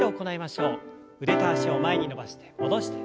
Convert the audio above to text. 腕と脚を前に伸ばして戻して。